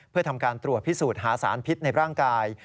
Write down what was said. เพื่อทำการตรวจพิสูจน์หาสารพิษในร่างกาย